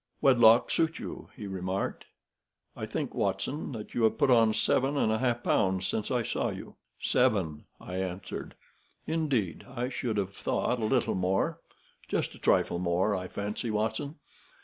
"Wedlock suits you," he remarked. "I think, Watson, that you have put on seven and a half pounds since I saw you." "Seven," I answered. "Indeed, I should have thought a little more. Just a trifle more, I fancy, Watson.